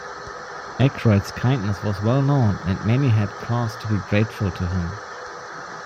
Akroyd's kindness was well known, and many had cause to be grateful to him.